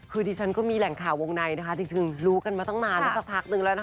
คือดิฉันก็มีแหล่งข่าววงในนะคะจริงรู้กันมาตั้งนานสักพักนึงแล้วนะคะ